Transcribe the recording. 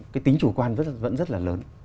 cái tính chủ quan vẫn rất là lớn